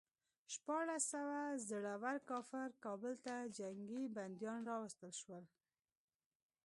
شپاړس سوه زړه ور کافر کابل ته جنګي بندیان راوستل شول.